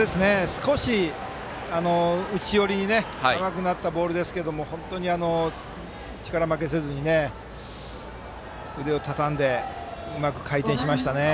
少し内寄りに甘くなったボールですが本当に力負けせずに腕をたたんでうまく回転しました。